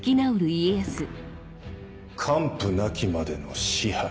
完膚なきまでの支配。